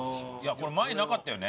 これ前なかったよね？